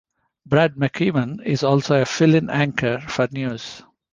Brad McEwan is also a fill-in anchor for news.